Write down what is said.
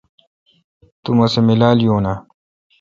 تو مہ سہ میلال یون اؘ۔